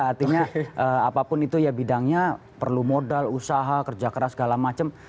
artinya apapun itu ya bidangnya perlu modal usaha kerja keras segala macam